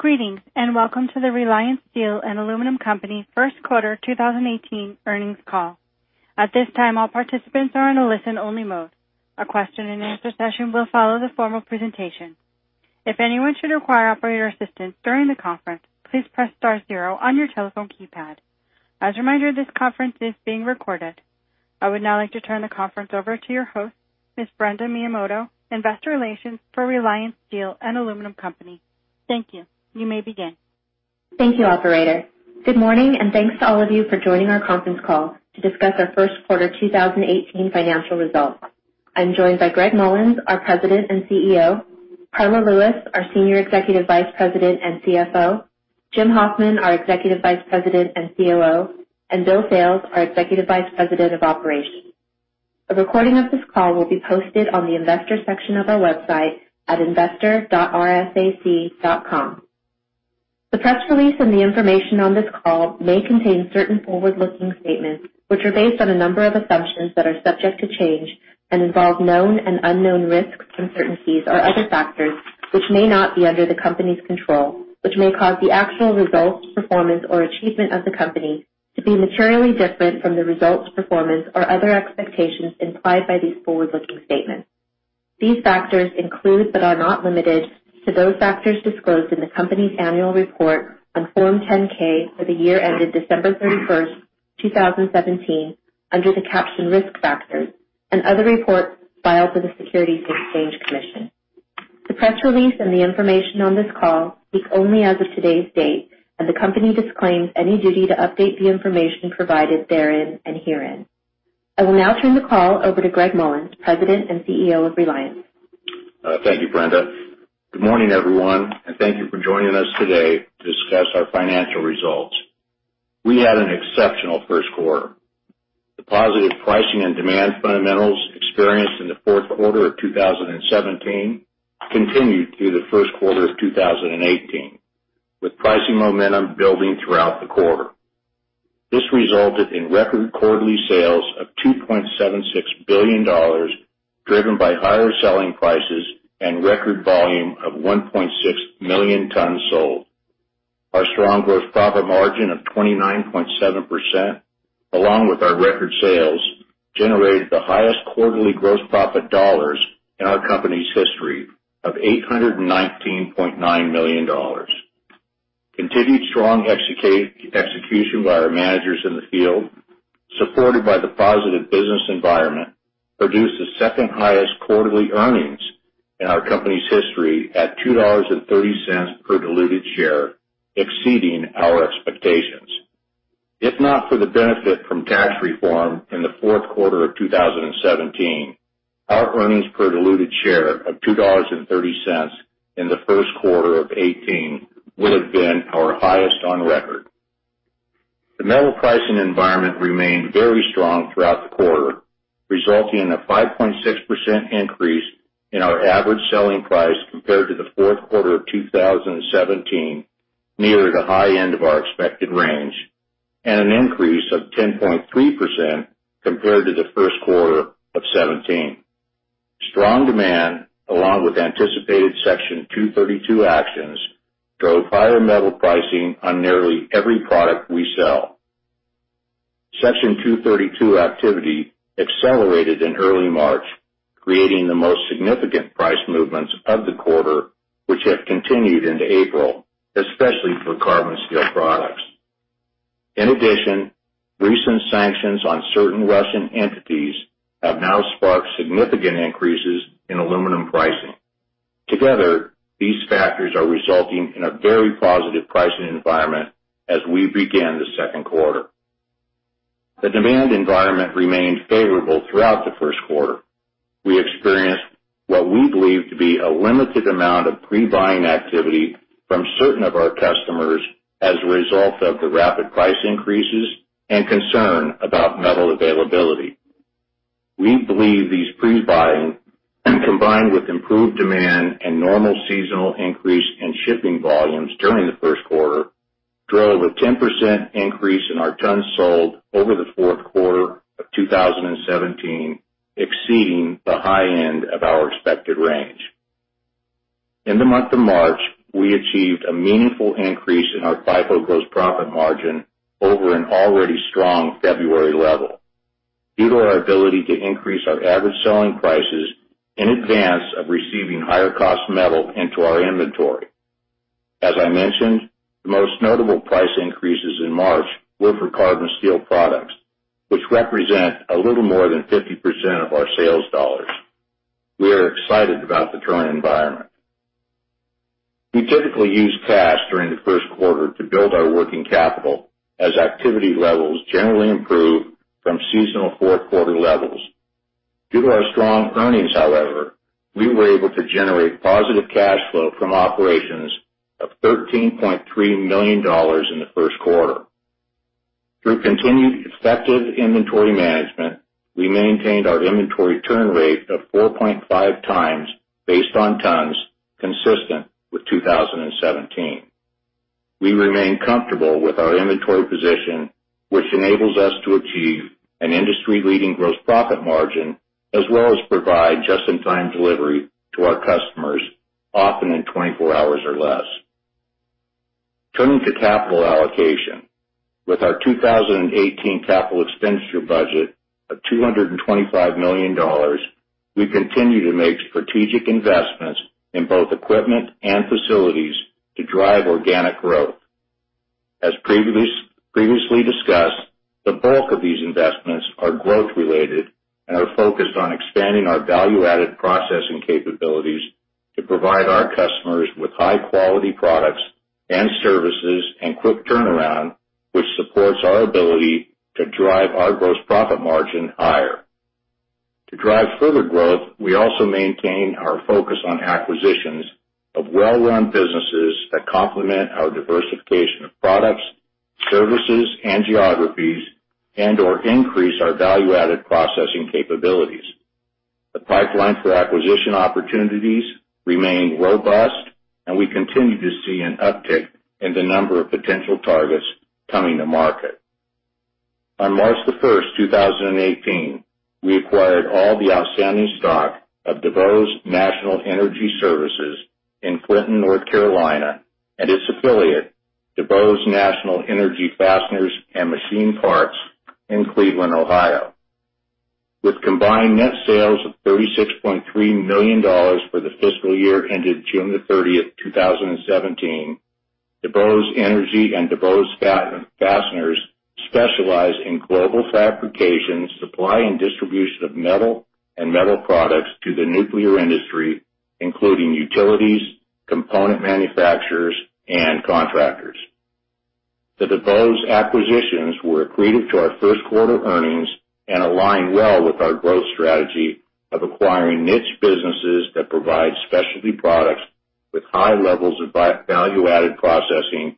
Greetings, welcome to the Reliance Steel & Aluminum Co. first quarter 2018 earnings call. At this time, all participants are in a listen-only mode. A question-and-answer session will follow the formal presentation. If anyone should require operator assistance during the conference, please press star zero on your telephone keypad. As a reminder, this conference is being recorded. I would now like to turn the conference over to your host, Ms. Brenda Miyamoto, investor relations for Reliance Steel & Aluminum Co. Thank you. You may begin. Thank you, operator. Good morning, thanks to all of you for joining our conference call to discuss our first quarter 2018 financial results. I am joined by Gregg Mollins, our President and CEO; Karla Lewis, our Senior Executive Vice President and CFO; Jim Hoffman, our Executive Vice President and COO; and Bill Sales, our Executive Vice President of Operations. A recording of this call will be posted on the investors section of our website at investor.rsac.com. The press release and the information on this call may contain certain forward-looking statements, which are based on a number of assumptions that are subject to change and involve known and unknown risks, uncertainties, or other factors which may not be under the company's control, which may cause the actual results, performance, or achievement of the company to be materially different from the results, performance, or other expectations implied by these forward-looking statements. These factors include, not limited to, those factors disclosed in the company's annual report on Form 10-K for the year ended December 31st, 2017, under the caption Risk Factors, other reports filed with the Securities and Exchange Commission. The press release and the information on this call speak only as of today's date, the company disclaims any duty to update the information provided therein and herein. I will now turn the call over to Gregg Mollins, President and CEO of Reliance. Thank you, Brenda. Good morning, everyone, thank you for joining us today to discuss our financial results. We had an exceptional first quarter. The positive pricing and demand fundamentals experienced in the fourth quarter of 2017 continued through the first quarter of 2018, with pricing momentum building throughout the quarter. This resulted in record quarterly sales of $2.76 billion, driven by higher selling prices and record volume of 1.6 million tons sold. Our strong gross profit margin of 29.7%, along with our record sales, generated the highest quarterly gross profit dollars in our company's history of $819.9 million. Continued strong execution by our managers in the field, supported by the positive business environment, produced the second highest quarterly earnings in our company's history at $2.30 per diluted share, exceeding our expectations. If not for the benefit from tax reform in the fourth quarter of 2017, our earnings per diluted share of $2.30 in the first quarter of 2018 would have been our highest on record. The metal pricing environment remained very strong throughout the quarter, resulting in a 5.6% increase in our average selling price compared to the fourth quarter of 2017, nearer the high end of our expected range, and an increase of 10.3% compared to the first quarter of 2017. Strong demand, along with anticipated Section 232 actions, drove higher metal pricing on nearly every product we sell. Section 232 activity accelerated in early March, creating the most significant price movements of the quarter, which have continued into April, especially for carbon steel products. In addition, recent sanctions on certain Russian entities have now sparked significant increases in aluminum pricing. These factors are resulting in a very positive pricing environment as we begin the second quarter. The demand environment remained favorable throughout the first quarter. We experienced what we believe to be a limited amount of pre-buying activity from certain of our customers as a result of the rapid price increases and concern about metal availability. We believe these pre-buying, combined with improved demand and normal seasonal increase in shipping volumes during the first quarter, drove a 10% increase in our tons sold over the fourth quarter of 2017, exceeding the high end of our expected range. In the month of March, we achieved a meaningful increase in our FIFO gross profit margin over an already strong February level due to our ability to increase our average selling prices in advance of receiving higher cost metal into our inventory. As I mentioned, the most notable price increases in March were for carbon steel products, which represent a little more than 50% of our sales dollars. We are excited about the current environment. We typically use cash during the first quarter to build our working capital as activity levels generally improve from seasonal fourth quarter levels. Due to our strong earnings, however, we were able to generate positive cash flow from operations of $13.3 million in the first quarter. Through continued effective inventory management, we maintained our inventory turn rate of 4.5 times based on tons, consistent with 2017. We remain comfortable with our inventory position, which enables us to achieve an industry-leading gross profit margin, as well as provide just-in-time delivery to our customers, often in 24 hours or less. Turning to capital allocation. With our 2018 capital expenditure budget of $225 million, we continue to make strategic investments in both equipment and facilities to drive organic growth. As previously discussed, the bulk of these investments are growth-related and are focused on expanding our value-added processing capabilities to provide our customers with high-quality products and services, and quick turnaround, which supports our ability to drive our gross profit margin higher. To drive further growth, we also maintain our focus on acquisitions of well-run businesses that complement our diversification of products, services, and geographies, and/or increase our value-added processing capabilities. The pipeline for acquisition opportunities remain robust, and we continue to see an uptick in the number of potential targets coming to market. On March the first, 2018, we acquired all the outstanding stock of DuBose National Energy Services in Clinton, North Carolina, and its affiliate, DuBose National Energy Fasteners & Machined Parts in Cleveland, Ohio. With combined net sales of $36.3 million for the fiscal year ended June the 30th, 2017, DuBose Energy and DuBose Fasteners specialize in global fabrication, supply, and distribution of metal and metal products to the nuclear industry, including utilities, component manufacturers, and contractors. The DuBose acquisitions were accretive to our first quarter earnings and align well with our growth strategy of acquiring niche businesses that provide specialty products with high levels of value-added processing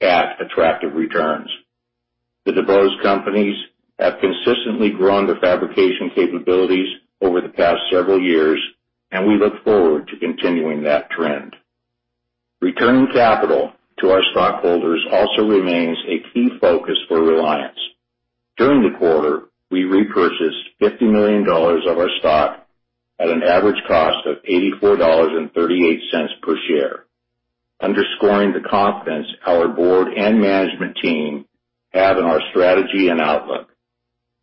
at attractive returns. The DuBose companies have consistently grown their fabrication capabilities over the past several years, and we look forward to continuing that trend. Returning capital to our stockholders also remains a key focus for Reliance. During the quarter, we repurchased $50 million of our stock at an average cost of $84.38 per share, underscoring the confidence our board and management team have in our strategy and outlook.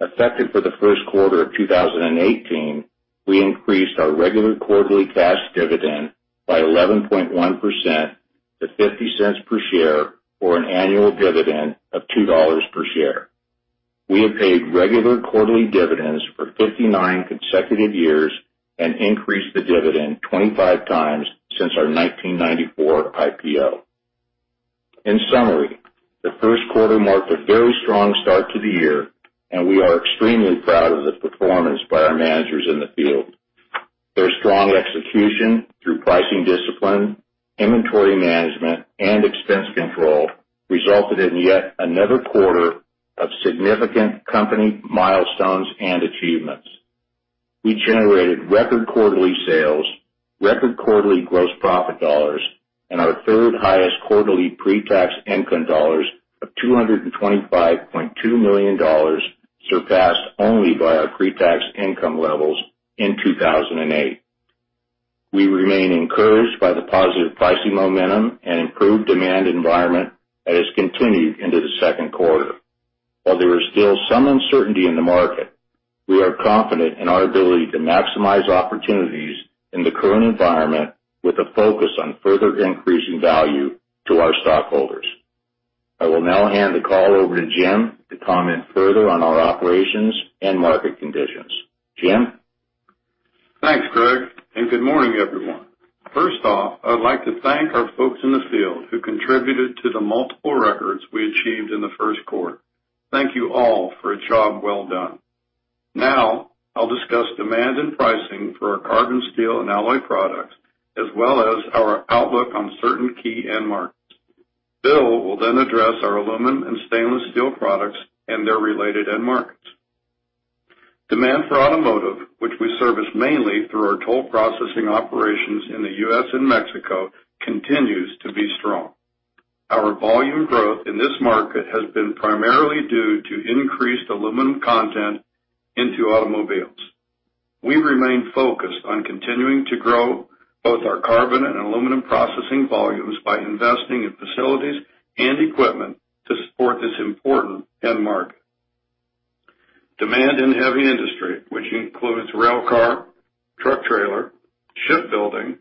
Effective for the first quarter of 2018, we increased our regular quarterly cash dividend by 11.1% to $0.50 per share or an annual dividend of $2 per share. We have paid regular quarterly dividends for 59 consecutive years and increased the dividend 25 times since our 1994 IPO. In summary, the first quarter marked a very strong start to the year, and we are extremely proud of the performance by our managers in the field. Their strong execution through pricing discipline, inventory management, and expense control resulted in yet another quarter of significant company milestones and achievements. We generated record quarterly sales, record quarterly gross profit dollars, and our third highest quarterly pre-tax income dollars of $225.2 million, surpassed only by our pre-tax income levels in 2008. We remain encouraged by the positive pricing momentum and improved demand environment that has continued into the second quarter. While there is still some uncertainty in the market, we are confident in our ability to maximize opportunities in the current environment with a focus on further increasing value to our stockholders. I will now hand the call over to Jim to comment further on our operations and market conditions. Jim? Thanks, Gregg, and good morning, everyone. First off, I would like to thank our folks in the field who contributed to the multiple records we achieved in the first quarter. Thank you all for a job well done. I'll discuss demand and pricing for our carbon steel and alloy products, as well as our outlook on certain key end markets. Bill will address our aluminum and stainless steel products and their related end markets. Demand for automotive, which we service mainly through our toll processing operations in the U.S. and Mexico, continues to be strong. Our volume growth in this market has been primarily due to increased aluminum content into automobiles. We remain focused on continuing to grow both our carbon and aluminum processing volumes by investing in facilities and equipment to support this important end market. Demand in heavy industry, which includes railcar, truck trailer, shipbuilding,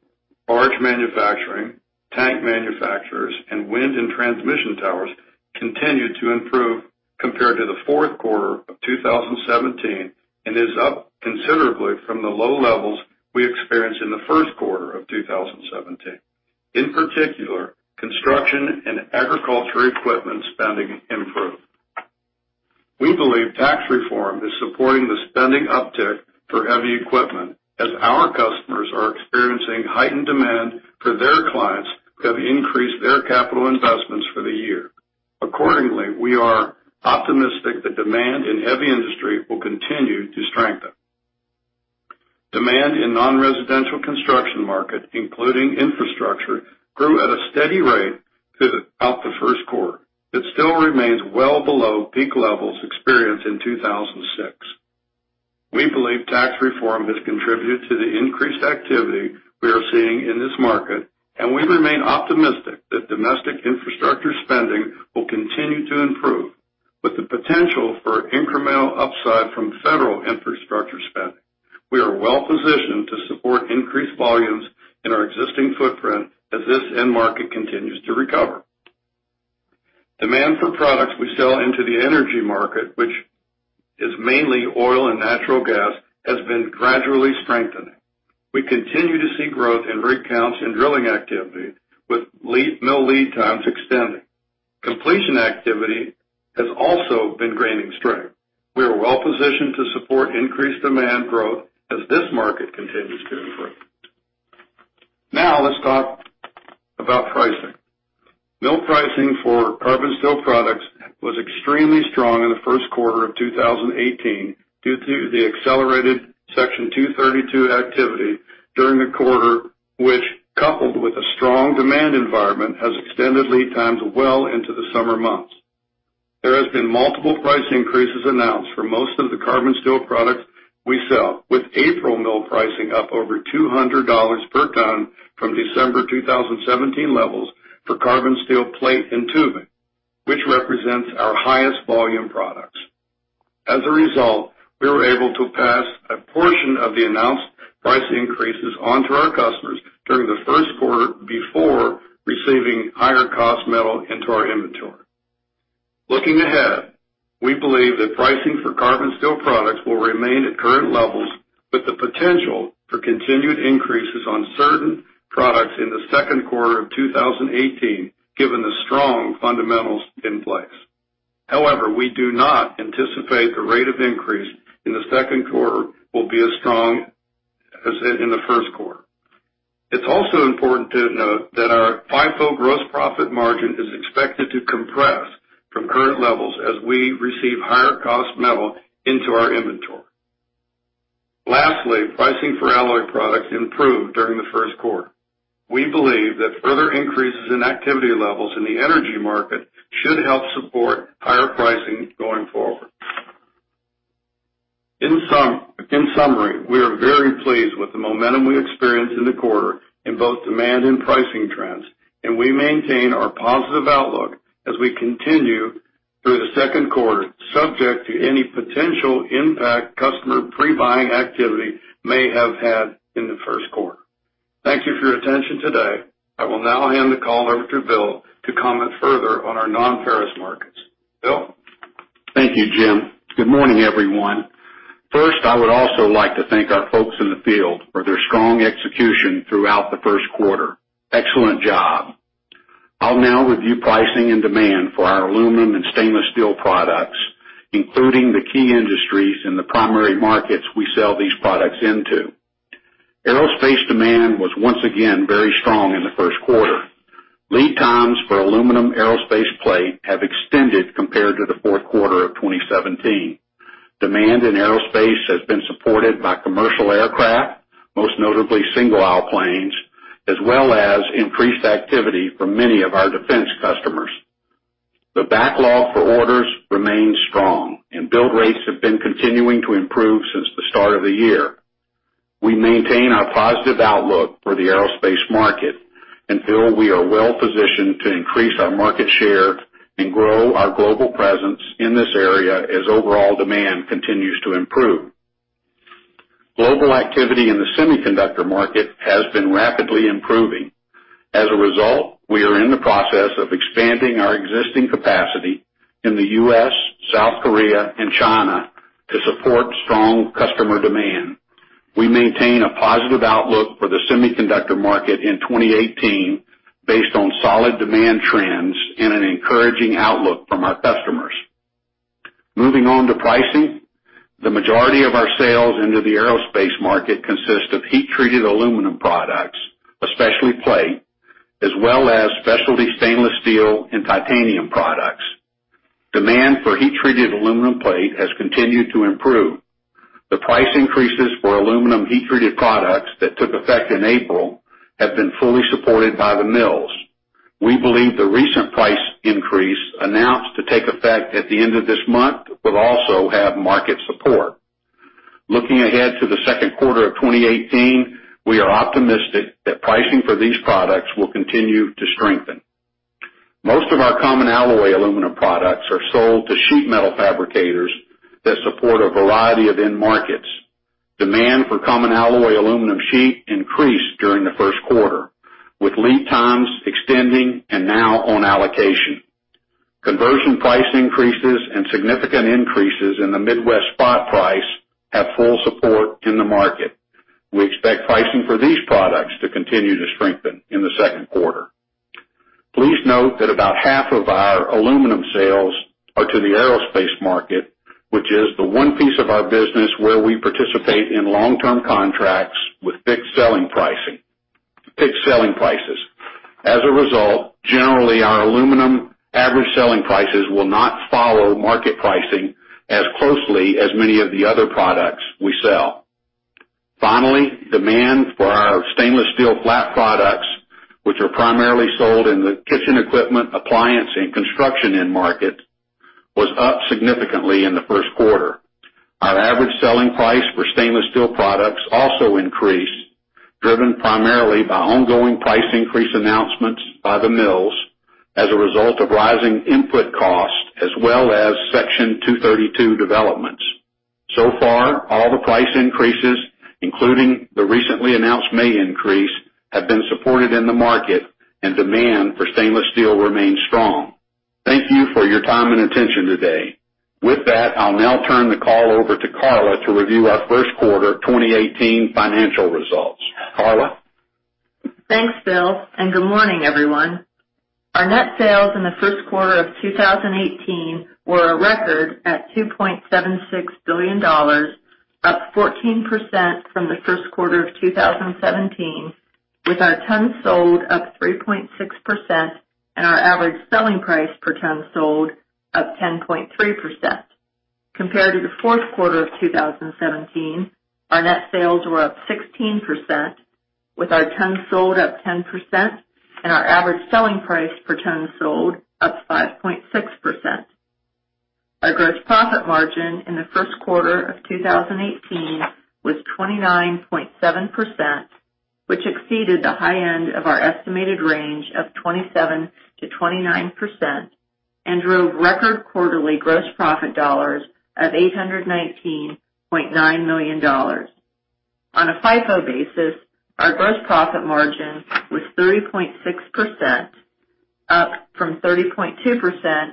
barge manufacturing, tank manufacturers, and wind and transmission towers, continued to improve compared to the fourth quarter of 2017 and is up considerably from the low levels we experienced in the first quarter of 2017. In particular, construction and agriculture equipment spending improved. We believe tax reform is supporting the spending uptick for heavy equipment as our customers are experiencing heightened demand for their clients who have increased their capital investments for the year. Accordingly, we are optimistic that demand in heavy industry will continue to strengthen. Demand in non-residential construction market, including infrastructure, grew at a steady rate throughout the first quarter. It still remains well below peak levels experienced in 2006. We believe tax reform has contributed to the increased activity we are seeing in this market. We remain optimistic that domestic infrastructure spending will continue to improve. With the potential for incremental upside from federal infrastructure spending, we are well-positioned to support increased volumes in our existing footprint as this end market continues to recover. Demand for products we sell into the energy market, which is mainly oil and natural gas, has been gradually strengthening. We continue to see growth in rig counts and drilling activity, with mill lead times extending. Completion activity has also been gaining strength. We are well-positioned to support increased demand growth as this market continues to improve. Now let's talk about pricing. Mill pricing for carbon steel products was extremely strong in the first quarter of 2018 due to the accelerated Section 232 activity during the quarter, which, coupled with a strong demand environment, has extended lead times well into the summer months. There has been multiple price increases announced for most of the carbon steel products we sell, with April mill pricing up over $200 per ton from December 2017 levels for carbon steel plate and tubing, which represents our highest volume products. As a result, we were able to pass a portion of the announced price increases onto our customers during the first quarter before receiving higher-cost metal into our inventory. Looking ahead, we believe that pricing for carbon steel products will remain at current levels, with the potential for continued increases on certain products in the second quarter of 2018, given the strong fundamentals in place. We do not anticipate the rate of increase in the second quarter will be as strong as in the first quarter. It's also important to note that our FIFO gross profit margin is expected to compress from current levels as we receive higher-cost metal into our inventory. Lastly, pricing for alloy products improved during the first quarter. We believe that further increases in activity levels in the energy market should help support higher pricing going forward. In summary, we are very pleased with the momentum we experienced in the quarter in both demand and pricing trends. We maintain our positive outlook as we continue through the second quarter, subject to any potential impact customer pre-buying activity may have had in the first quarter. Thank you for your attention today. I will now hand the call over to Bill to comment further on our non-ferrous markets. Bill? Thank you, Jim. Good morning, everyone. First, I would also like to thank our folks in the field for their strong execution throughout the first quarter. Excellent job. I'll now review pricing and demand for our aluminum and stainless steel products, including the key industries and the primary markets we sell these products into. Aerospace demand was once again very strong in the first quarter. Lead times for aluminum aerospace plate have extended compared to the fourth quarter of 2017. Demand in aerospace has been supported by commercial aircraft, most notably single-aisle planes, as well as increased activity from many of our defense customers. The backlog for orders remains strong, and build rates have been continuing to improve since the start of the year. We maintain our positive outlook for the aerospace market, and feel we are well-positioned to increase our market share and grow our global presence in this area as overall demand continues to improve. Global activity in the semiconductor market has been rapidly improving. As a result, we are in the process of expanding our existing capacity in the U.S., South Korea, and China to support strong customer demand. We maintain a positive outlook for the semiconductor market in 2018 based on solid demand trends and an encouraging outlook from our customers. Moving on to pricing. The majority of our sales into the aerospace market consist of heat-treated aluminum products, especially plate, as well as specialty stainless steel and titanium products. Demand for heat-treated aluminum plate has continued to improve. The price increases for aluminum heat-treated products that took effect in April have been fully supported by the mills. We believe the recent price increase announced to take effect at the end of this month will also have market support. Looking ahead to the second quarter of 2018, we are optimistic that pricing for these products will continue to strengthen. Most of our common alloy aluminum products are sold to sheet metal fabricators that support a variety of end markets. Demand for common alloy aluminum sheet increased during the first quarter, with lead times extending and now on allocation. Conversion price increases and significant increases in the Midwest spot price have full support in the market. We expect pricing for these products to continue to strengthen in the second quarter. Please note that about half of our aluminum sales are to the aerospace market, which is the one piece of our business where we participate in long-term contracts with fixed selling pricing. Fixed selling prices. As a result, generally, our aluminum average selling prices will not follow market pricing as closely as many of the other products we sell. Finally, demand for our stainless steel flat products, which are primarily sold in the kitchen equipment, appliance, and construction end market, was up significantly in the first quarter. Our average selling price for stainless steel products also increased, driven primarily by ongoing price increase announcements by the mills as a result of rising input costs as well as Section 232 developments. All the price increases, including the recently announced May increase, have been supported in the market, and demand for stainless steel remains strong. Thank you for your time and attention today. With that, I'll now turn the call over to Karla to review our first quarter 2018 financial results. Karla? Thanks, Bill, and good morning, everyone. Our net sales in the first quarter of 2018 were a record at $2.76 billion, up 14% from the first quarter of 2017, with our tons sold up 3.6% and our average selling price per ton sold up 10.3%. Compared to the fourth quarter of 2017, our net sales were up 16%, with our tons sold up 10% and our average selling price per ton sold up 5.6%. Our gross profit margin in the first quarter of 2018 was 29.7%, which exceeded the high end of our estimated range of 27%-29% and drove record quarterly gross profit dollars of $819.9 million. On a FIFO basis, our gross profit margin was 30.6%, up from 30.2%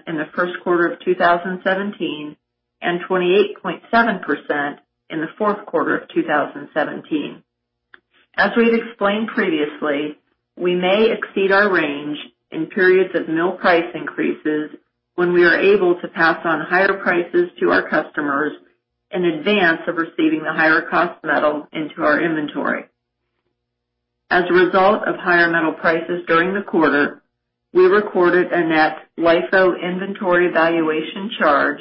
in the first quarter of 2017 and 28.7% in the fourth quarter of 2017. As we've explained previously, we may exceed our range in periods of mill price increases when we are able to pass on higher prices to our customers in advance of receiving the higher cost metal into our inventory. As a result of higher metal prices during the quarter, we recorded a net LIFO inventory valuation charge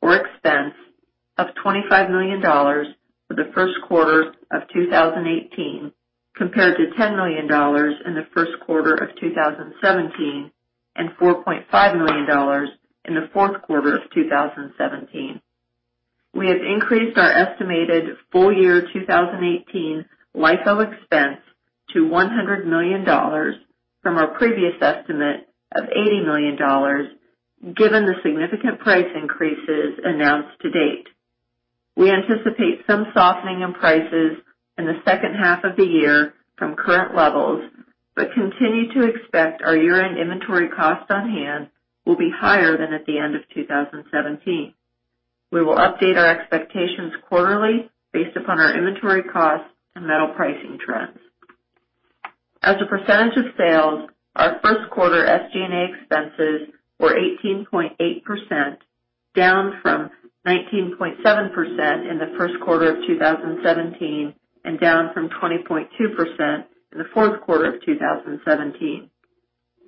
or expense of $25 million for the first quarter of 2018 compared to $10 million in the first quarter of 2017 and $4.5 million in the fourth quarter of 2017. We have increased our estimated full-year 2018 LIFO expense to $100 million from our previous estimate of $80 million, given the significant price increases announced to date. We anticipate some softening in prices in the second half of the year from current levels, but continue to expect our year-end inventory cost on hand will be higher than at the end of 2017. We will update our expectations quarterly based upon our inventory costs and metal pricing trends. As a percentage of sales, our first quarter SG&A expenses were 18.8%, down from 19.7% in the first quarter of 2017 and down from 20.2% in the fourth quarter of 2017.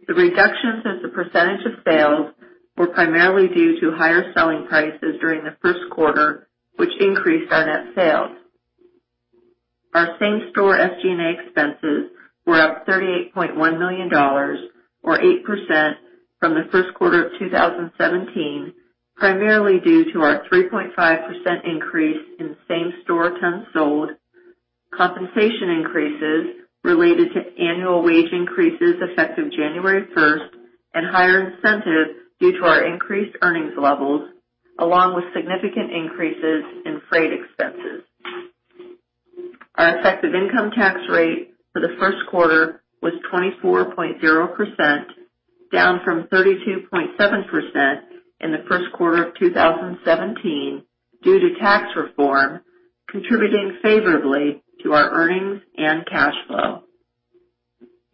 The reductions as a percentage of sales were primarily due to higher selling prices during the first quarter, which increased our net sales. Our same-store SG&A expenses were up $38.1 million, or 8%, from the first quarter of 2017, primarily due to our 3.5% increase in same-store tons sold, compensation increases related to annual wage increases effective January 1st, and higher incentives due to our increased earnings levels, along with significant increases in freight expenses. Our effective income tax rate for the first quarter was 24.0%, down from 32.7% in the first quarter of 2017 due to tax reform contributing favorably to our earnings and cash flow.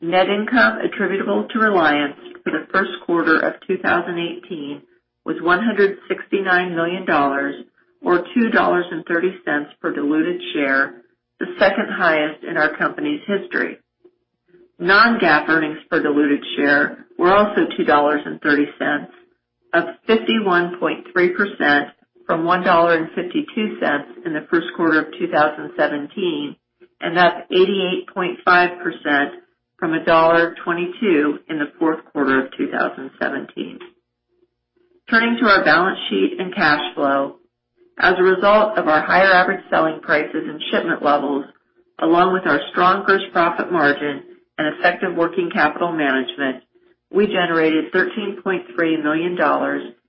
Net income attributable to Reliance for the first quarter of 2018 was $169 million, or $2.30 per diluted share, the second highest in our company's history. Non-GAAP earnings per diluted share were also $2.30, up 51.3% from $1.52 in the first quarter of 2017, and up 88.5% from $1.22 in the fourth quarter of 2017. Turning to our balance sheet and cash flow, as a result of our higher average selling prices and shipment levels, along with our strong gross profit margin and effective working capital management, we generated $13.3 million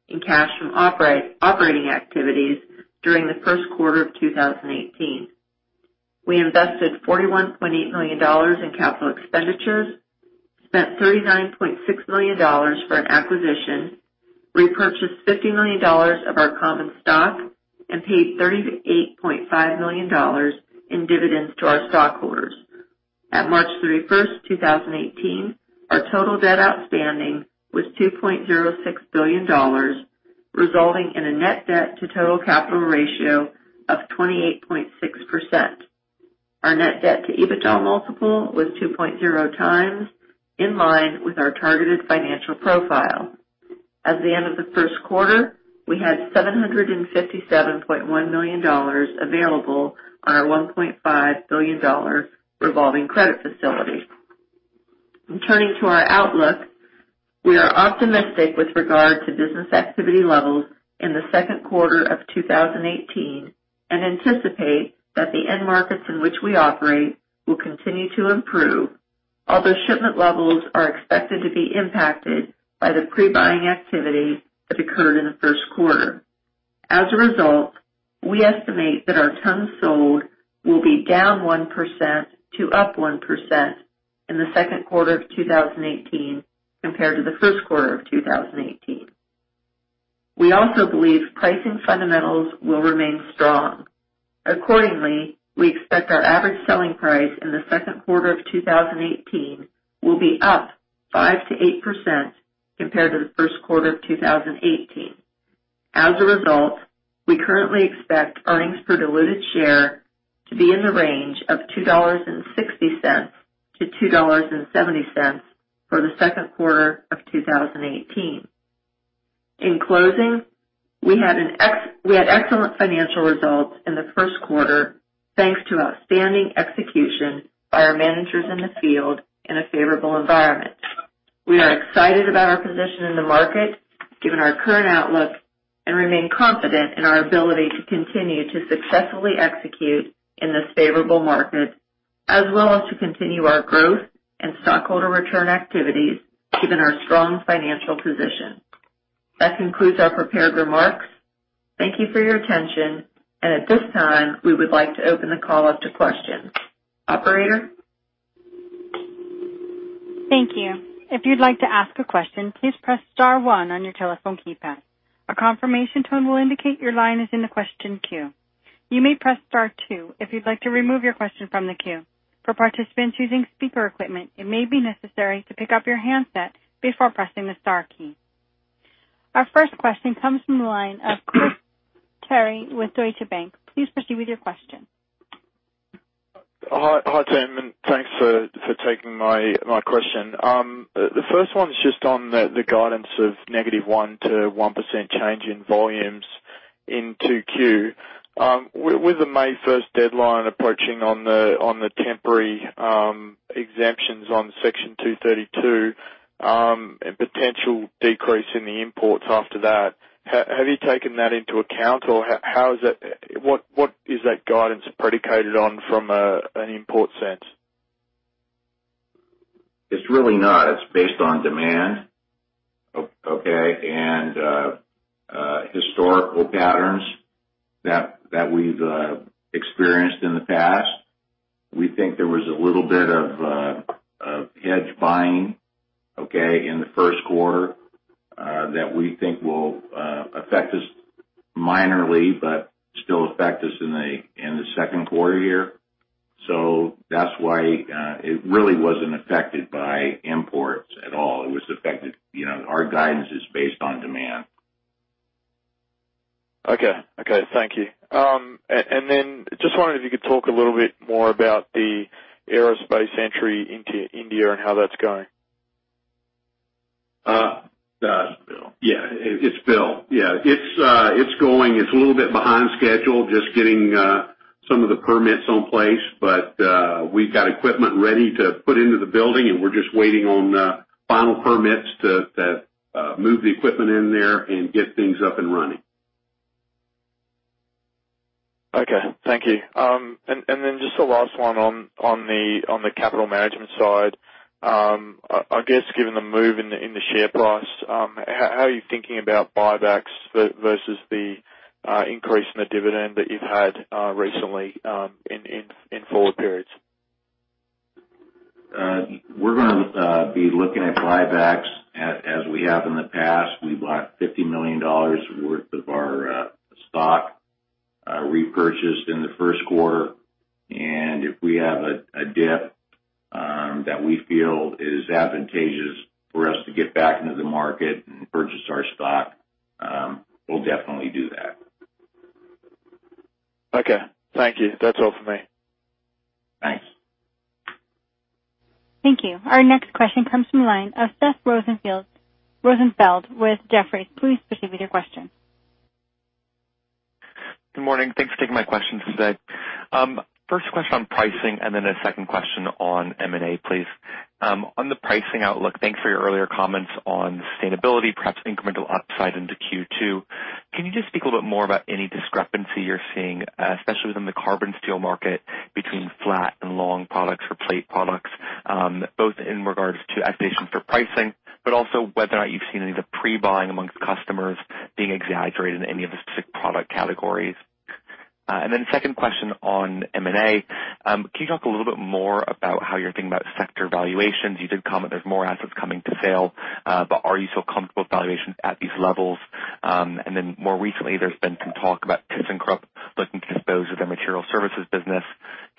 in cash from operating activities during the first quarter of 2018. We invested $41.8 million in capital expenditures, spent $39.6 million for an acquisition, repurchased $50 million of our common stock, and paid $38.5 million in dividends to our stockholders. At March 31st, 2018, our total debt outstanding was $2.06 billion. Resulting in a net debt to total capital ratio of 28.6%. Our net debt to EBITDA multiple was 2.0 times, in line with our targeted financial profile. At the end of the first quarter, we had $757.1 million available on our $1.5 billion revolving credit facility. In turning to our outlook, we are optimistic with regard to business activity levels in the second quarter of 2018 and anticipate that the end markets in which we operate will continue to improve. Although shipment levels are expected to be impacted by the pre-buying activity that occurred in the first quarter. As a result, we estimate that our tons sold will be down 1% to up 1% in the second quarter of 2018 compared to the first quarter of 2018. We also believe pricing fundamentals will remain strong. Accordingly, we expect our average selling price in the second quarter of 2018 will be up 5%-8% compared to the first quarter of 2018. As a result, we currently expect earnings per diluted share to be in the range of $2.60-$2.70 for the second quarter of 2018. In closing, we had excellent financial results in the first quarter, thanks to outstanding execution by our managers in the field in a favorable environment. We are excited about our position in the market given our current outlook, and remain confident in our ability to continue to successfully execute in this favorable market, as well as to continue our growth and stockholder return activities given our strong financial position. That concludes our prepared remarks. Thank you for your attention. At this time, we would like to open the call up to questions. Operator? Thank you. If you'd like to ask a question, please press star one on your telephone keypad. A confirmation tone will indicate your line is in the question queue. You may press star two if you'd like to remove your question from the queue. For participants using speaker equipment, it may be necessary to pick up your handset before pressing the star key. Our first question comes from the line of Terry with Deutsche Bank. Please proceed with your question. Hi, team. Thanks for taking my question. The first one is just on the guidance of negative 1%-1% change in volumes in 2Q. With the May 1st deadline approaching on the temporary exemptions on Section 232, and potential decrease in the imports after that, have you taken that into account, or what is that guidance predicated on from an import sense? It's really not. It's based on demand. Okay? Historical patterns that we've experienced in the past. We think there was a little bit of hedge buying, okay, in the first quarter, that we think will affect us minorly, but still affect us in the second quarter here. That's why it really wasn't affected by imports at all. Our guidance is based on demand. Okay. Thank you. Just wondering if you could talk a little bit more about the aerospace entry into India and how that's going. It's Bill. Yeah. It's going. It's a little bit behind schedule, just getting some of the permits in place. We've got equipment ready to put into the building, and we're just waiting on final permits to move the equipment in there and get things up and running. Okay, thank you. Then just the last one on the capital management side. I guess given the move in the share price, how are you thinking about buybacks versus the increase in the dividend that you've had recently, in forward periods? We're going to be looking at buybacks as we have in the past. We bought $50 million worth of our stock repurchased in the first quarter, and if we have a dip that we feel is advantageous for us to get back into the market and purchase our stock, we'll definitely do that. Okay. Thank you. That's all for me. Thanks. Thank you. Our next question comes from the line of Seth Rosenfeld with Jefferies. Please proceed with your question. Good morning. Thanks for taking my questions today. First question on pricing. A second question on M&A, please. On the pricing outlook, thanks for your earlier comments on sustainability, perhaps incremental upside into Q2. Can you just speak a little bit more about any discrepancy you're seeing, especially within the carbon steel market, between flat and long products or plate products, both in regards to activation for pricing, also whether or not you've seen any of the pre-buying amongst customers being exaggerated in any of the specific product categories? Second question on M&A. Can you talk a little bit more about how you're thinking about sector valuations? You did comment there's more assets coming to sale. Are you still comfortable with valuations at these levels? More recently, there's been some talk about Thyssenkrupp looking to dispose of their material services business.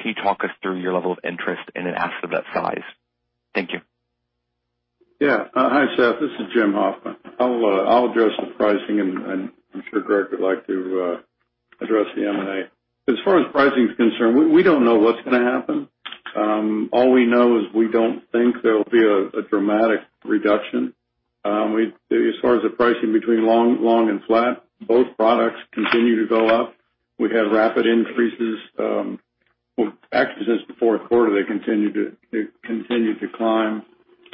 Can you talk us through your level of interest in an asset of that size? Thank you. Hi, Seth. This is Jim Hoffman. I'll address the pricing. I'm sure Greg would like to address the M&A. As far as pricing is concerned, we don't know what's going to happen. All we know is we don't think there will be a dramatic reduction. As far as the pricing between long and flat, both products continue to go up. We had rapid increases. Actually, since the fourth quarter, they continued to climb.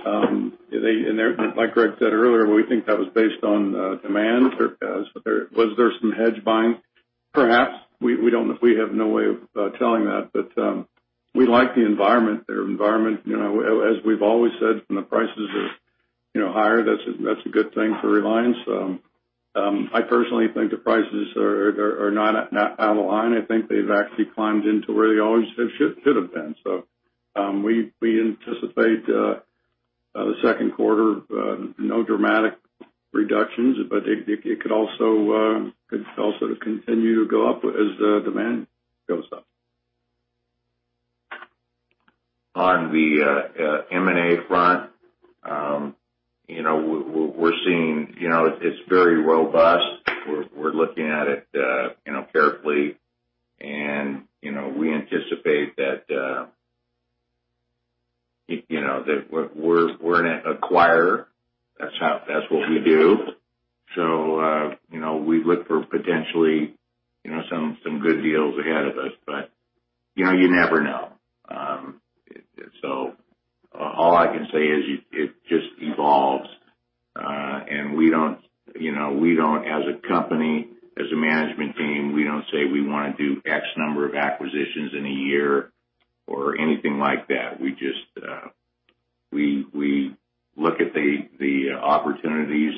Like Greg said earlier, we think that was based on demand. Was there some hedge buying? Perhaps. We have no way of telling that. We like the environment. As we've always said, when the prices are higher, that's a good thing for Reliance. I personally think the prices are not out of line. I think they've actually climbed into where they always should have been. We anticipate the second quarter, no dramatic reductions, but it could also continue to go up as the demand goes up. On the M&A front, we're seeing it's very robust. We're looking at it carefully. We anticipate that we're an acquirer. That's what we do. We look for potentially some good deals ahead of us. You never know. All I can say is it just evolves. We don't, as a company, as a management team, we don't say we want to do X number of acquisitions in a year or anything like that. We look at the opportunities,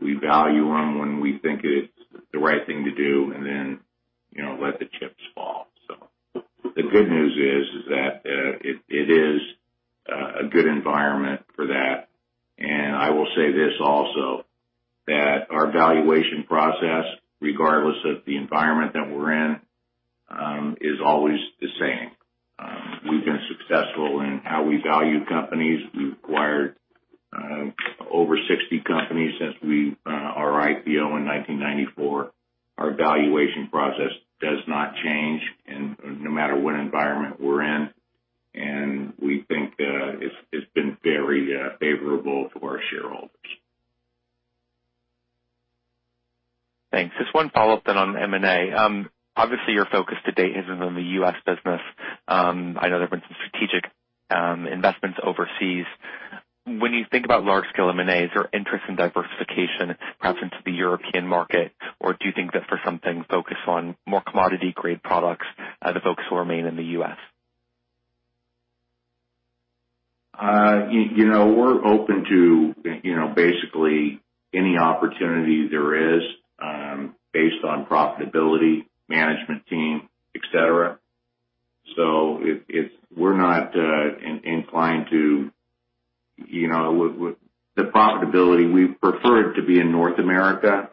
we value them when we think it's the right thing to do, and then let the chips fall. The good news is that it is a good environment for that. I will say this also, that our valuation process, regardless of the environment that we're in, is always the same. We've been successful in how we value companies. We've acquired over 60 companies since our IPO in 1994. Our valuation process does not change no matter what environment we're in. We think it's been very favorable to our shareholders. Thanks. Just one follow-up on M&A. Obviously, your focus to date has been on the U.S. business. I know there have been some strategic investments overseas. When you think about large-scale M&A, is there interest in diversification perhaps into the European market? Do you think that for something focused on more commodity-grade products, the focus will remain in the U.S.? We're open to basically any opportunity there is based on profitability, management team, et cetera. We're not inclined to The profitability, we prefer it to be in North America.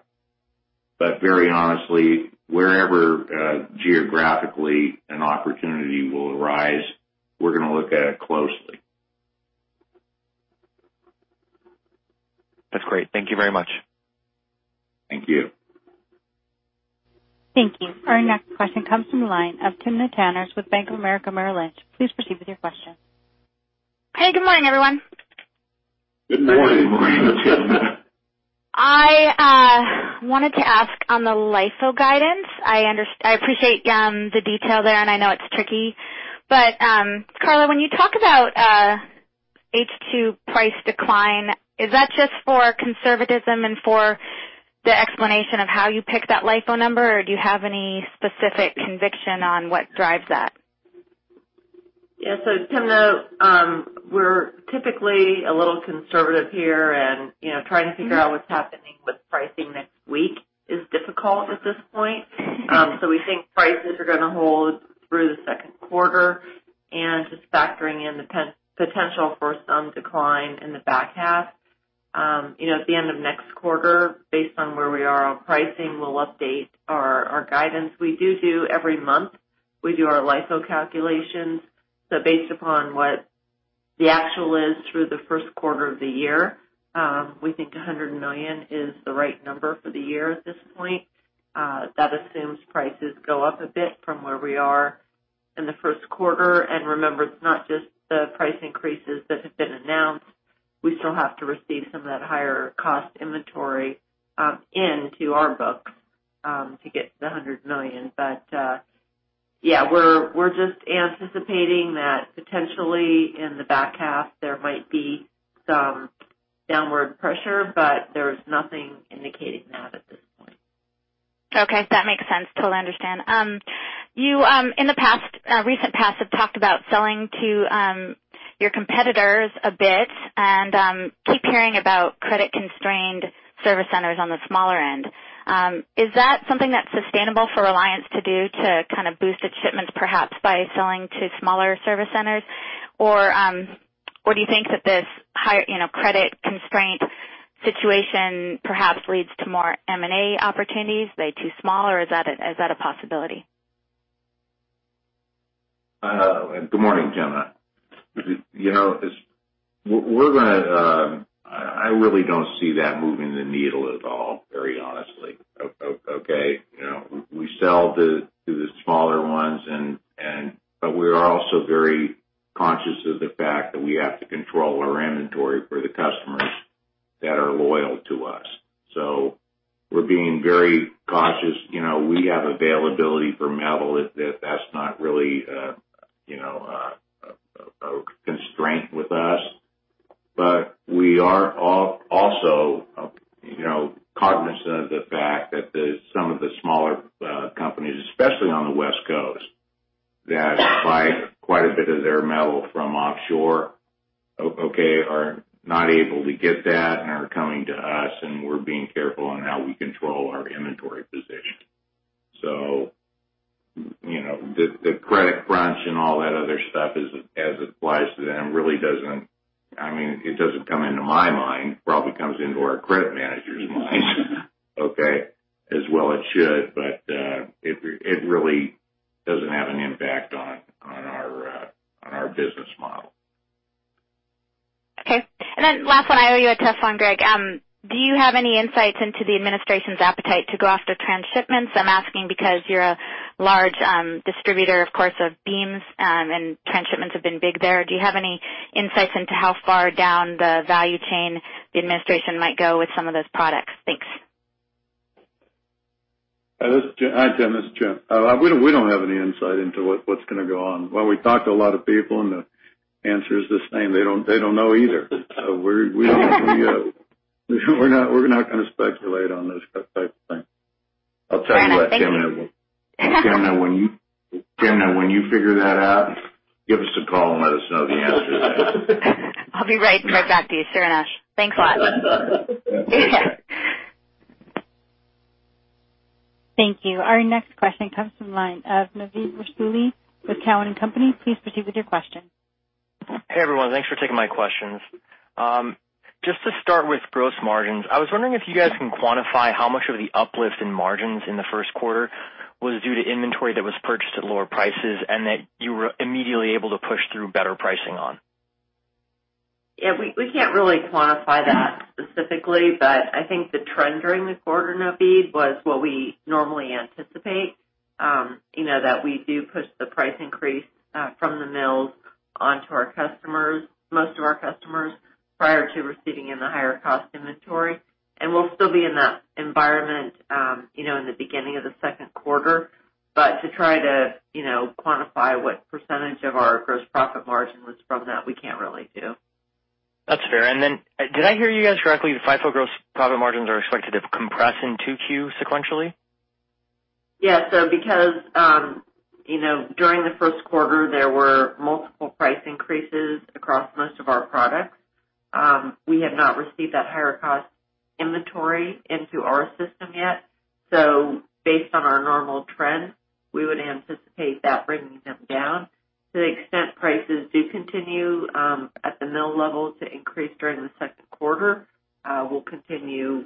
Very honestly, wherever geographically an opportunity will arise, we're going to look at it closely. That's great. Thank you very much. Thank you. Thank you. Our next question comes from the line of Timna Tanners with Bank of America Merrill Lynch. Please proceed with your question. Hey, good morning, everyone. Good morning. Good morning. I wanted to ask on the LIFO guidance. I appreciate the detail there, and I know it's tricky. Karla, when you talk about H2 price decline, is that just for conservatism and for the explanation of how you picked that LIFO number, or do you have any specific conviction on what drives that? Yeah. Timna, we're typically a little conservative here, and trying to figure out what's happening with pricing next week is difficult at this point. We think prices are going to hold through the second quarter and just factoring in the potential for some decline in the back half. At the end of next quarter, based on where we are on pricing, we'll update our guidance. We do every month. We do our LIFO calculations. Based upon what the actual is through the first quarter of the year, we think $100 million is the right number for the year at this point. That assumes prices go up a bit from where we are in the first quarter. Remember, it's not just the price increases that have been announced. We still have to receive some of that higher cost inventory into our books to get to the $100 million. Yeah, we're just anticipating that potentially in the back half, there might be some downward pressure, but there's nothing indicating that at this point. Okay. That makes sense. Totally understand. You, in the recent past, have talked about selling to your competitors a bit and keep hearing about credit-constrained service centers on the smaller end. Is that something that's sustainable for Reliance to do to kind of boost its shipments perhaps by selling to smaller service centers? Do you think that this higher credit constraint situation perhaps leads to more M&A opportunities? Are they too small, or is that a possibility? Good morning, Timna. I really don't see that moving the needle at all, very honestly. Okay. We sell to the smaller ones, we are also very conscious of the fact that we have to control our inventory for the customers that are loyal to us. We're being very cautious. We have availability for metal. That's not really a constraint with us. We are also cognizant of the fact that some of the smaller companies, especially on the West Coast, that buy quite a bit of their metal from offshore, okay, are not able to get that and are coming to us, and we're being careful on how we control our inventory position. The credit crunch and all that other stuff as it applies to them, it doesn't come into my mind. Probably comes into our credit manager's mind. Okay. As well it should, it really doesn't have an impact on our business model. Last one. I owe you a tough one, Gregg. Do you have any insights into the administration's appetite to go after transshipments? I'm asking because you're a large distributor, of course, of beams, and transshipments have been big there. Do you have any insights into how far down the value chain the administration might go with some of those products? Thanks. Hi, Timna, this is Jim. We don't have any insight into what's going to go on. Well, we talk to a lot of people, and the answer is the same. They don't know either. We're not going to speculate on this type of thing. I'll tell you what, Timna. Timna, when you figure that out, give us a call and let us know the answer. I'll be right back to you, sir, and thanks a lot. Thank you. Our next question comes from the line of Novid Rassouli with Cowen and Company. Please proceed with your question. Hey, everyone. Thanks for taking my questions. Just to start with gross margins, I was wondering if you guys can quantify how much of the uplift in margins in the first quarter was due to inventory that was purchased at lower prices and that you were immediately able to push through better pricing on. Yeah, we can't really quantify that specifically, but I think the trend during the quarter, Novid, was what we normally anticipate. That we do push the price increase from the mills onto our customers, most of our customers, prior to receiving in the higher cost inventory. We'll still be in that environment in the beginning of the second quarter. To try to quantify what percentage of our gross profit margin was from that, we can't really do. That's fair. Did I hear you guys correctly that FIFO gross profit margins are expected to compress in 2Q sequentially? Yes. Because, during the first quarter, there were multiple price increases across most of our products. We have not received that higher cost inventory into our system yet. Based on our normal trend, we would anticipate that bringing them down. To the extent prices do continue, at the mill level, to increase during the second quarter, we'll continue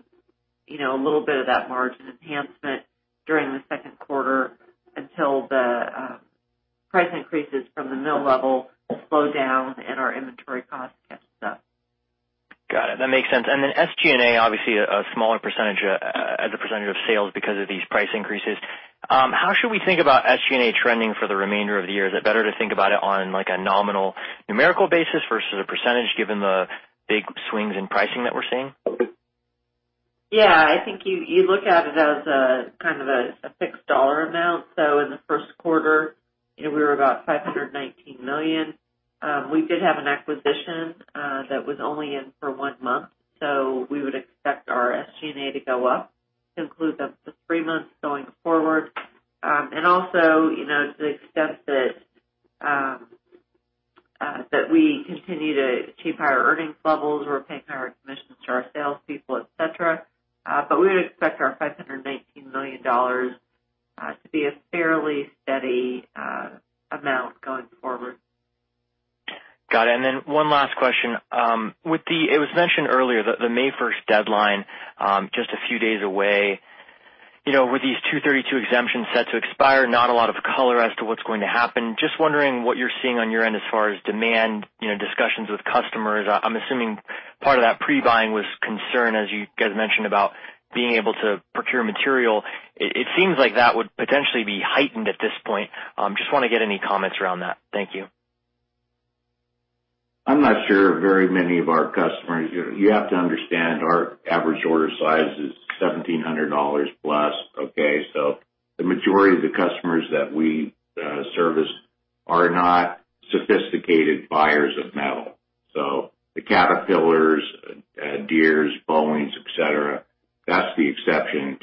a little bit of that margin enhancement during the second quarter until the price increases from the mill level slow down and our inventory cost catches up. Got it. That makes sense. SG&A, obviously, a smaller % as a % of sales because of these price increases. How should we think about SG&A trending for the remainder of the year? Is it better to think about it on a nominal numerical basis versus a %, given the big swings in pricing that we're seeing? Yeah. I think you look at it as a kind of a fixed dollar amount. In the first quarter, we were about $519 million. We did have an acquisition that was only in for one month, we would expect our SG&A to go up to include the three months going forward. Also, to the extent that we continue to achieve higher earnings levels, we're paying higher commissions to our salespeople, et cetera. We would expect our $519 million to be a fairly steady amount going forward. Got it. One last question. It was mentioned earlier that the May 1st deadline, just a few days away. With these 232 exemptions set to expire, not a lot of color as to what's going to happen. Just wondering what you're seeing on your end as far as demand, discussions with customers. I'm assuming part of that pre-buying was concern, as you guys mentioned, about being able to procure material. It seems like that would potentially be heightened at this point. Just want to get any comments around that. Thank you. You have to understand, our average order size is $1,700 plus, okay? The majority of the customers that we service are not sophisticated buyers of metal. The Caterpillar, Deere, Boeing, et cetera, that's the exception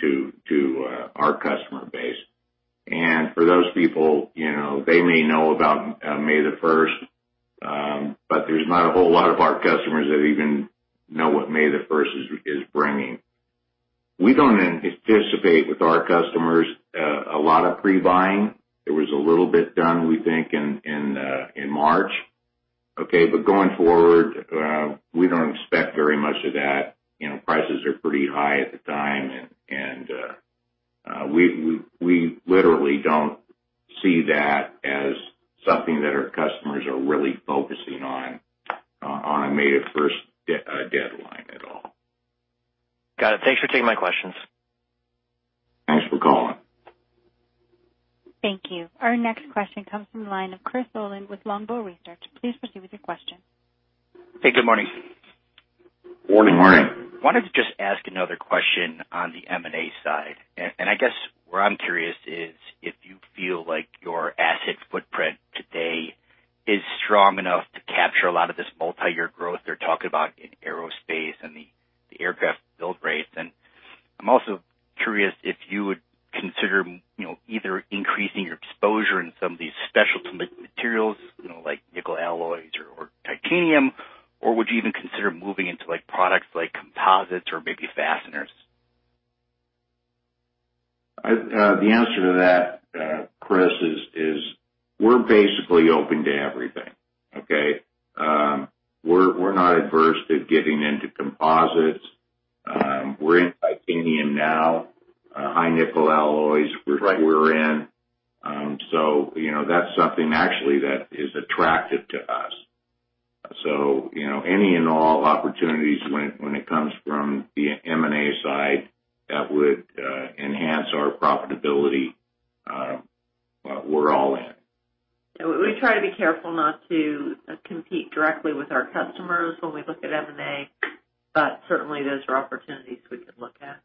to our customer base. For those people, they may know about May 1st, but there's not a whole lot of our customers that even know what May 1st is bringing. We don't anticipate with our customers a lot of pre-buying. There was a little bit done, we think, in March. Okay. Going forward, we don't expect very much of that. Prices are pretty high at the time, and we literally don't see that as something that our customers are really focusing on a May 1st deadline at all. Got it. Thanks for taking my questions. Thanks for calling. Thank you. Our next question comes from the line of Chris Olin with Longbow Research. Please proceed with your question. Hey, good morning. Morning. Morning. Wanted to just ask another question on the M&A side. I guess where I'm curious is if you feel like your asset footprint today is strong enough to capture a lot of this multi-year growth you're talking about in aerospace and the aircraft build rates. I'm also curious if you would consider either increasing your exposure in some of these specialty materials, like nickel alloys or titanium, or would you even consider moving into products like composites or maybe fasteners? The answer to that, Chris, is we're basically open to everything. Okay? We're not adverse to getting into composites. We're in titanium now. High nickel alloys- Right we're in. That's something actually that is attractive to us. Any and all opportunities when it comes from the M&A side that would enhance our profitability, we're all in. We try to be careful not to compete directly with our customers when we look at M&A, but certainly those are opportunities we can look at.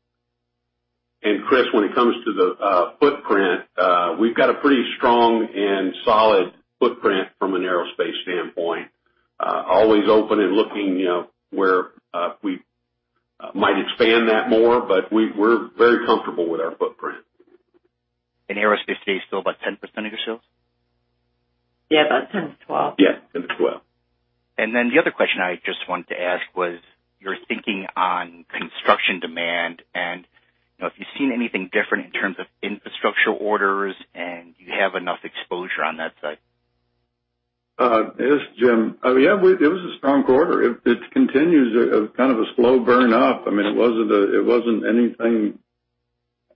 Chris, when it comes to the footprint, we've got a pretty strong and solid footprint from an aerospace standpoint. Always open and looking where we might expand that more, but we're very comfortable with our footprint. Aerospace today is still about 10% of your sales? Yeah, about 10%-12%. Yeah, 10 to 12. The other question I just wanted to ask was your thinking on construction demand and if you've seen anything different in terms of infrastructure orders, do you have enough exposure on that side? This is Jim. Yeah, it was a strong quarter. It continues as kind of a slow burn up. It wasn't anything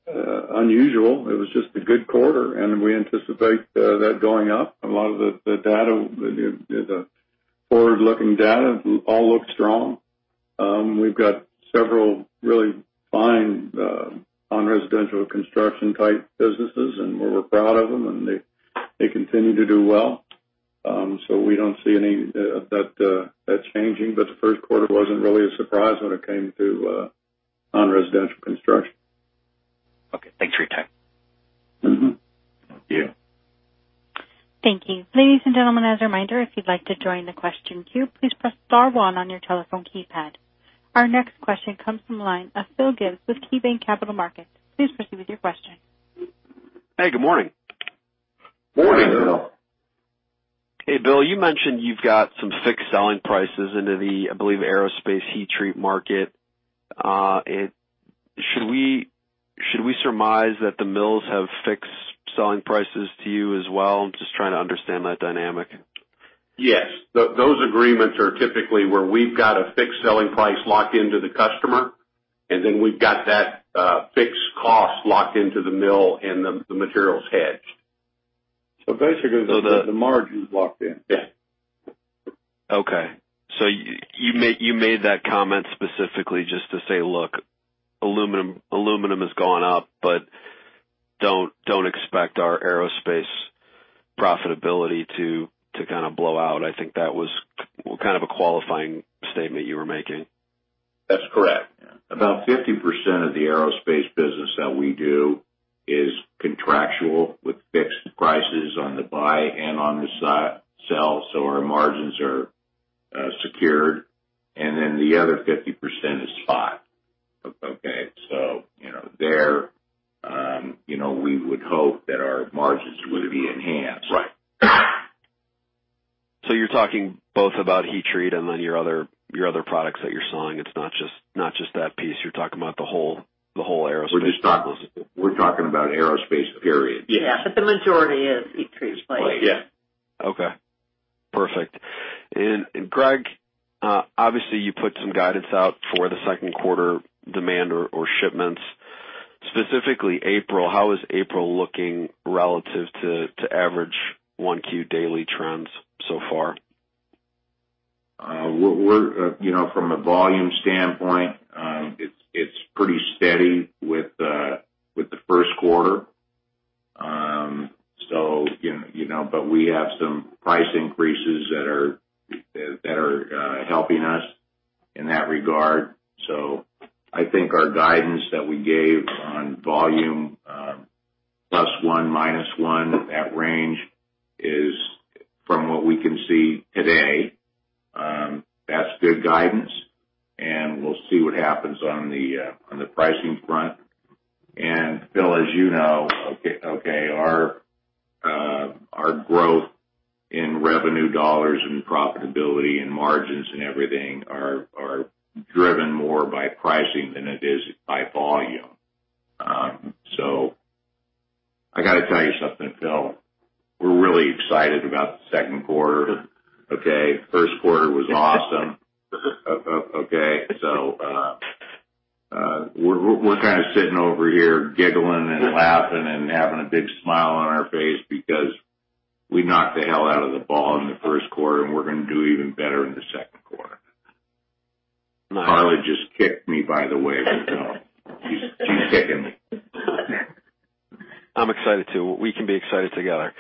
unusual. It was just a good quarter, and we anticipate that going up. A lot of the data, the forward-looking data, all look strong. We've got several really fine non-residential construction-type businesses, and we're proud of them, and they continue to do well. We don't see any of that changing. The first quarter wasn't really a surprise when it came to non-residential construction. Okay. Thanks for your time. Thank you. Thank you. Ladies and gentlemen, as a reminder, if you'd like to join the question queue, please press star one on your telephone keypad. Our next question comes from the line of Phil Gibbs with KeyBanc Capital Markets. Please proceed with your question. Hey, good morning. Morning, Phil. Hey, Bill. You mentioned you've got some fixed selling prices into the, I believe, aerospace heat treat market. Should we surmise that the mills have fixed selling prices to you as well? I'm just trying to understand that dynamic. Yes. Those agreements are typically where we've got a fixed selling price locked into the customer, and then we've got that fixed cost locked into the mill and the materials hedged. Basically, the margin's locked in. Yeah. Okay. You made that comment specifically just to say, "Look, aluminum has gone up, but don't expect our aerospace profitability to kind of blow out." I think that was kind of a qualifying statement you were making. That's correct. About 50% of the aerospace business that we do is contractual with fixed prices on the buy and on the sell, our margins are secured. The other 50% is spot. Okay? There, we would hope that our margins would be enhanced. Right. You're talking both about heat treat and then your other products that you're selling. It's not just that piece. You're talking about the whole aerospace. We're talking about aerospace, period. Yeah. The majority is heat treat plate. Plate. Yeah. Gregg, obviously you put some guidance out for the second quarter demand or shipments, specifically April. How is April looking relative to average 1Q daily trends so far? From a volume standpoint, it is pretty steady with the first quarter. We have some price increases that are helping us in that regard. I think our guidance that we gave on volume, +1, -1, that range is, from what we can see today, that is good guidance, and we will see what happens on the pricing front. Phil, as you know, our growth in revenue dollars and profitability and margins and everything are driven more by pricing than it is by volume. Can I tell you something, Phil? We are really excited about the second quarter. Yeah. First quarter was awesome. We are kind of sitting over here giggling and laughing and having a big smile on our face because we knocked the hell out of the ball in the first quarter, and we are going to do even better in the second quarter. Karla just kicked me, by the way, Phil. She is kicking me. I'm excited too. We can be excited together.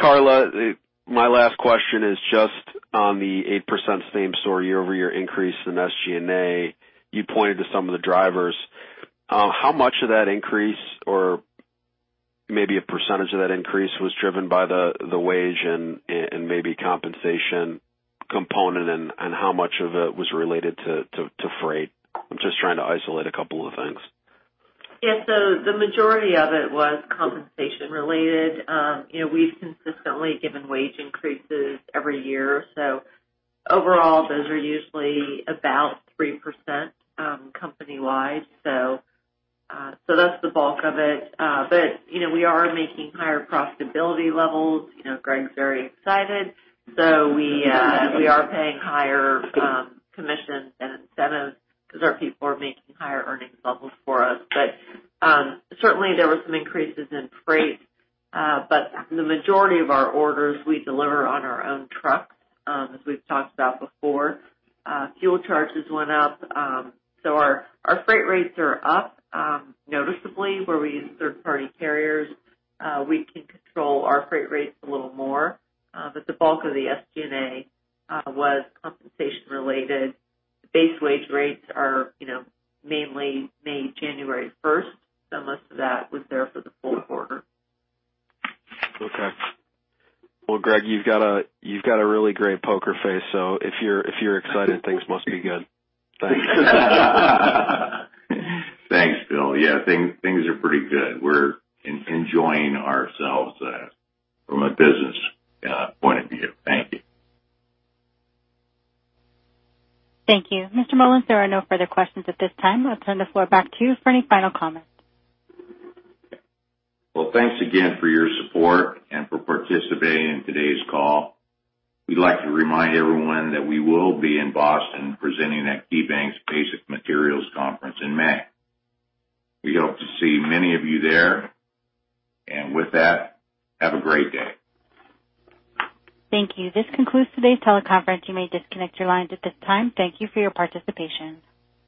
Karla, my last question is just on the 8% same-store year-over-year increase in SG&A. You pointed to some of the drivers. How much of that increase, or maybe a percentage of that increase, was driven by the wage and maybe compensation component, and how much of it was related to freight? I'm just trying to isolate a couple of things. Yeah. The majority of it was compensation related. We've consistently given wage increases every year. Overall, those are usually about 3% company-wide. That's the bulk of it. We are making higher profitability levels. Gregg's very excited. We are paying higher commissions and incentives because our people are making higher earnings levels for us. Certainly, there were some increases in freight. The majority of our orders we deliver on our own trucks, as we've talked about before. Fuel charges went up, so our freight rates are up noticeably where we use third-party carriers. We can control our freight rates a little more. The bulk of the SG&A was compensation related. Base wage rates are mainly made January 1st, so most of that was there for the full quarter. Okay. Well, Gregg, you've got a really great poker face, so if you're excited, things must be good. Thanks. Thanks, Phil. Yeah, things are pretty good. We're enjoying ourselves from a business point of view. Thank you. Thank you. Mr Mul, there are no further questions at this time. I'll turn the floor back to you for any final comments. Well, thanks again for your support and for participating in today's call. We'd like to remind everyone that we will be in Boston presenting at KeyBanc's Basic Materials Conference in May. We hope to see many of you there. With that, have a great day. Thank you. This concludes today's teleconference. You may disconnect your lines at this time. Thank you for your participation.